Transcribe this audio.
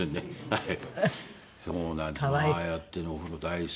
はい。